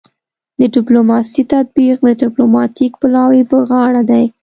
د ډیپلوماسي تطبیق د ډیپلوماتیک پلاوي په غاړه دی